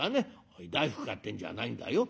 「おい大福買ってんじゃないんだよ。